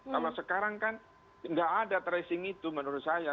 kalau sekarang kan nggak ada tracing itu menurut saya